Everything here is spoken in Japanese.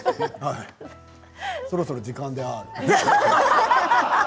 そろそろ時間であーる。